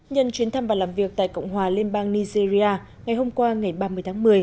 nhân chuyến thăm và làm việc tại cộng hòa liên bang nigeria ngày hôm qua ngày ba mươi tháng một mươi